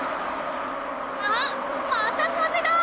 ああっまたかぜだ！